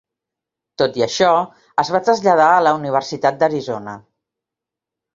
Tot i això, es va traslladar a la Universitat d'Arizona.